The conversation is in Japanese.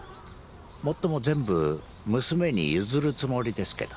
もっとも全部娘に譲るつもりですけど。